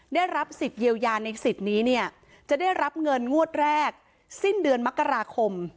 ได้รับสิทธิ์เยียวยาในสิทธิ์นี้เนี่ยจะได้รับเงินงวดแรกสิ้นเดือนมกราคม